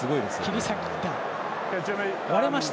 切り裂いた。